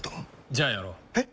じゃあやろう。え？